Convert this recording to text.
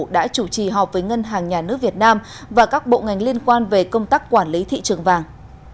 đã chủ trì họp với ngân hàng nhà nước việt nam và các bộ ngành liên quan về công tác quản lý thị trường vàng